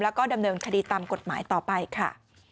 แล้วก็ดำเนินคดีตามกฎหมายต่อไปค่ะ